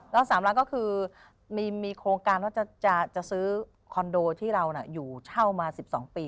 แล้ว๓ล้านก็คือมีโครงการว่าจะซื้อคอนโดที่เราอยู่เช่ามา๑๒ปี